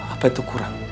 apa itu kurang